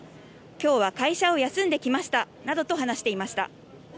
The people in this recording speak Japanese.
今日は会社を休んで来ましたなどと話していました。